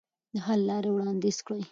د حل لارې وړاندیز کړئ.